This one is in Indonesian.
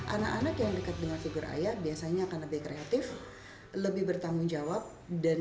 anak anak yang dekat dengan figur ayah biasanya akan lebih kreatif lebih bertanggung jawab dan